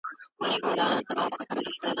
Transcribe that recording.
هغه د صوفۍ په لاره ژوند کاوه.